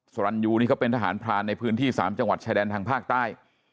สรรยูนี่เขาเป็นทหารพรานในพื้นที่๓จังหวัดชายแดนทางภาคใต้